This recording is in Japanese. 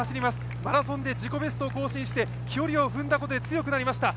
マラソンで自己ベストを更新して距離を踏んだことで強くなりました。